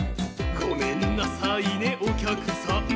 「『ごめんなさいね、おきゃくさん。